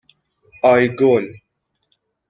آیگل